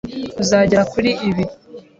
Uzagera kuri ibi.